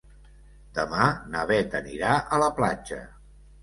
Demà na Beth anirà a la platja.